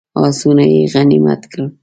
آسونه یې غنیمت کړل.